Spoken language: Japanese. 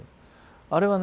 あれはね